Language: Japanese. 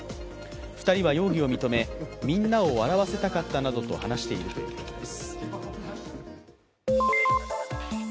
２人は容疑を認め、みんなを笑わせたかったなどと話しているということです。